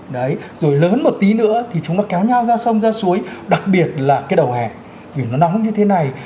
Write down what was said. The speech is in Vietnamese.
đấy rồi lớn một tí nữa thì chúng nó kéo nhau ra sông ra suối đặc biệt là cái đầu hè vì nó nóng như thế này